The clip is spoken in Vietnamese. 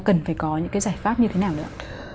cần phải có những cái giải pháp như thế nào nữa